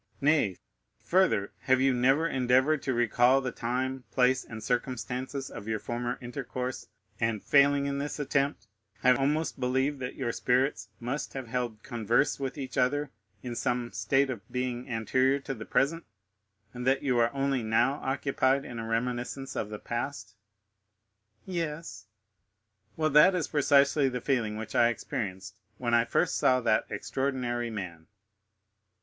Nay, further, have you never endeavored to recall the time, place, and circumstances of your former intercourse, and failing in this attempt, have almost believed that your spirits must have held converse with each other in some state of being anterior to the present, and that you are only now occupied in a reminiscence of the past?" "Yes." "Well, that is precisely the feeling which I experienced when I first saw that extraordinary man."